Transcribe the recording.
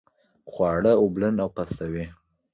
خواړه اوبلن او پستوي.